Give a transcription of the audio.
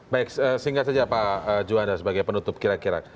baik singkat saja pak juanda sebagai penutup kira kira